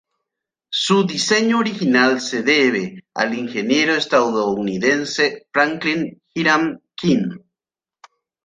Su diseño original se debe al ingeniero estadounidense Franklin Hiram King.